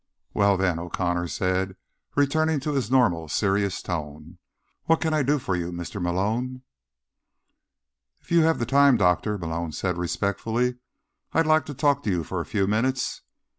"Well, then," O'Connor said, returning to his normal, serious tone. "What can I do for you, Mr. Malone?" "If you have the time, Doctor," Malone said respectfully, "I'd like to talk to you for a few minutes."